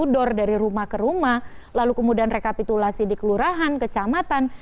dari rumah ke rumah lalu kemudian rekapitulasi di kelurahan kecamatan